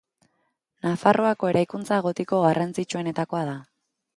Nafarroako eraikuntza gotiko garrantzitsuenetakoa da.